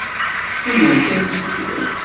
Qqimen kan tteddun.